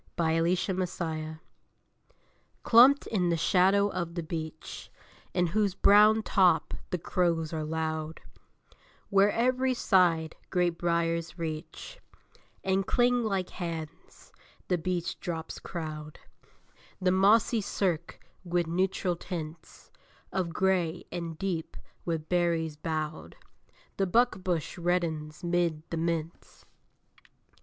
LATE OCTOBER WOODS Clumped in the shadow of the beech, In whose brown top the crows are loud, Where, every side, great briers reach And cling like hands, the beech drops crowd The mossy cirque with neutral tints Of gray; and deep, with berries bowed, The buckbush reddens 'mid the mints.